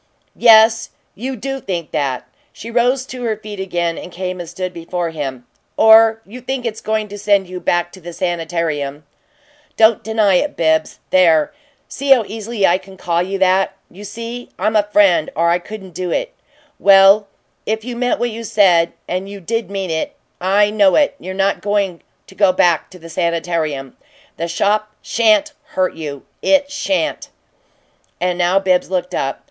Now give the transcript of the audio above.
"Yes, you do think that!" She rose to her feet again and came and stood before him. "Or you think it's going to send you back to the sanitarium. Don't deny it, Bibbs. There! See how easily I call you that! You see I'm a friend, or I couldn't do it. Well, if you meant what you said and you did mean it, I know it! you're not going to go back to the sanitarium. The shop sha'n't hurt you. It sha'n't!" And now Bibbs looked up.